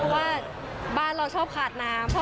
เพราะว่าบ้านเราชอบขาดน้ำ